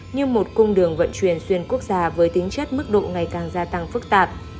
như một cung đường vận chuyển xuyên quốc gia với tính chất mức độ ngày càng gia tăng phức tạp